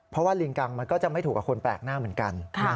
เพราะว่าลิงกังมันก็จะไม่ถูกกับคนแปลกหน้าเหมือนกัน